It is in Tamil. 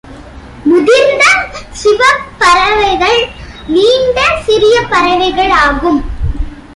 முதிர்ந்த சிவப்பறவைகள் நீண்ட, சிறிய பறவைகள் ஆகும்.